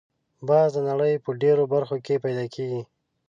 باز د نړۍ په ډېرو برخو کې پیدا کېږي